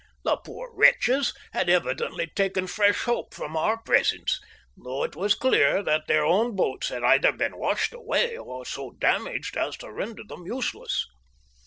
The poor wretches had evidently taken fresh hope from our presence, though it was clear that their own boats had either been washed away or so damaged as to render them useless.